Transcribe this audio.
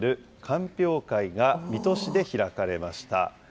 鑑評会が水戸市で開かれました。